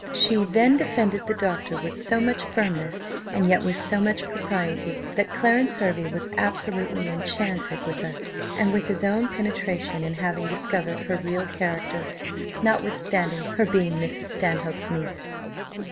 She then defended the doctor with so much firmness, and yet with so much propriety, that Clarence Hervey was absolutely enchanted with her, and with his own penetration in having discovered her real character, notwithstanding her being Mrs. Stanhope's niece.